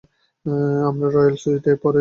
আমরা রয়াল সুইটে উঠেছি।